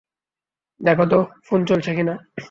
দেখো তো ফোন চলছে কিনা?